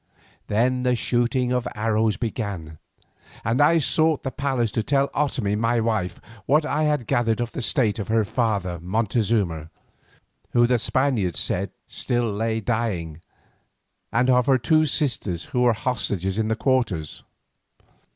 Then the shooting of arrows began, and I sought the palace to tell Otomie my wife what I had gathered of the state of her father Montezuma, who the Spaniards said still lay dying, and of her two sisters who were hostages in their quarters.